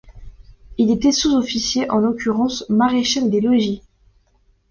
Il était sous-officier, en l'occurrence maréchal des logis.